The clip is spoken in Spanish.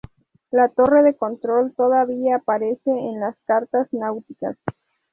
La torre de control todavía aparece en las cartas náuticas.